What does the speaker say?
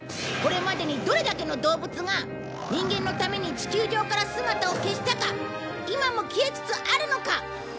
これまでにどれだけの動物が人間のために地球上から姿を消したか今も消えつつあるのか。